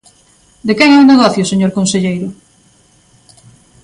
¿De quen é o negocio, señor conselleiro?